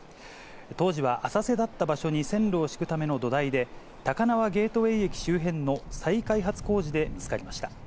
当時は浅瀬だった場所に線路を敷くための土台で、高輪ゲートウェイ駅周辺の再開発工事で見つかりました。